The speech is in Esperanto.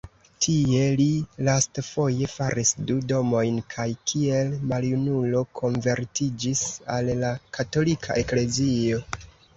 Tie li lastfoje faris du domojn kaj kiel maljunulo konvertiĝis al la Katolika Eklezio.